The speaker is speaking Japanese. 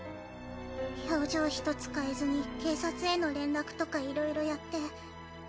表情一つ変えずに警察への連絡とかいろいろやって。